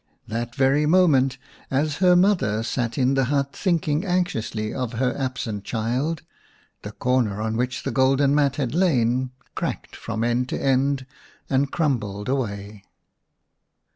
That very moment, as her mother sat in the hut thinking anxiously of her absent child, the corner on which the golden mat had lain cracked from end to end and crumbled away.